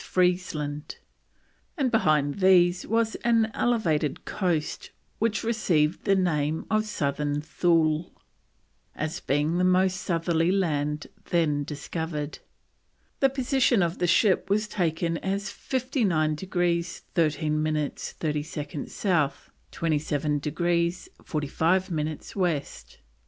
Freesland; and behind these was an elevated coast which received the name of Southern Thule, as being the most southerly land then discovered. The position of the ship was given as 59 degrees 13 minutes 30 seconds South, 27 degrees 45 minutes West.